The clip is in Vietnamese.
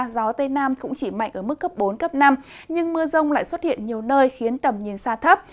gió tây nam cũng chỉ mạnh ở mức cấp bốn cấp năm nhưng mưa rông lại xuất hiện nhiều nơi khiến tầm nhìn xa thấp